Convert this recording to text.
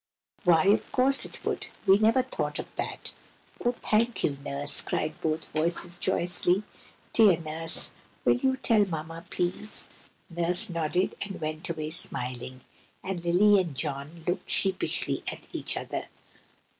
"Why, of course it would! We never thought of that. Oh, thank you, Nurse!" cried both voices, joyously. "Dear Nurse! will you tell Mamma, please?" Nurse nodded, and went away smiling, and Lily and John looked sheepishly at each other.